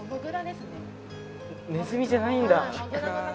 ネズミじゃないんだ。